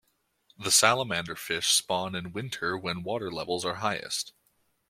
The salamaderfish spawn in winter when water levels are highest.